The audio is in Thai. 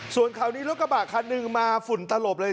ส่วนคราวนี้รถกระบะคันหนึ่งมาฝุ่นตลบเลย